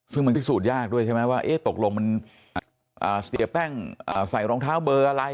ซึ่งมันก็อิกสูตรยากด้วยใช่ไหมว่าเอ๊ะตกลงเสียแป้งใส่รองเท้าเบอร์อะไร